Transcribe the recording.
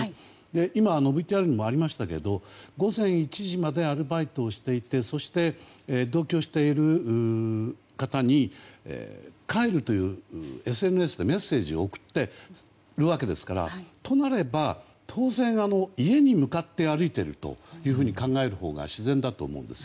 今、ＶＴＲにもありましたが午前１時までアルバイトをしていてそして、同居している方に帰るとＳＮＳでメッセージを送っているわけですからとなれば当然、家に向かって歩いているというふうに考えるほうが自然だと思うんです。